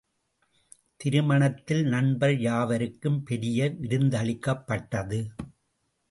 திருமணத்தில் நண்பர் யாவருக்கும் பெரிய விருந்தளிக்கப்பட்டது.